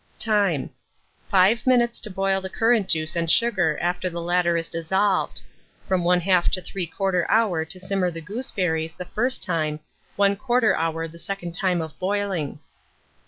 Time. 5 minutes to boil the currant juice and sugar after the latter is dissolved; from 1/2 to 3/4 hour to simmer the gooseberries the first time, 1/4 hour the second time of boiling.